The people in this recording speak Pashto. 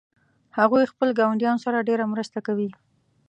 هغوی خپل ګاونډیانو سره ډیره مرسته کوي